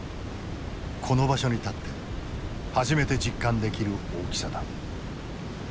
この場所に立って初めて実感できる大きさだ。